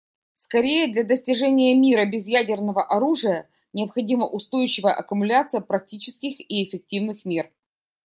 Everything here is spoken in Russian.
Скорее, для достижения мира без ядерного оружия необходима устойчивая аккумуляция практических и эффективных мер.